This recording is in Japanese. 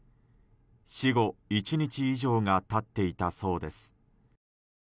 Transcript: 死後１日以上が経っていたそうです。